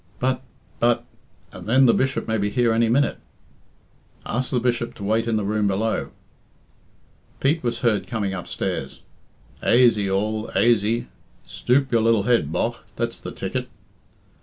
"But but and then the Bishop may be here any minute." "Ask the Bishop to wait in the room below." Pete was heard coming upstairs. "Aisy all, aisy! Stoop your lil head, bogh. That's the ticket!"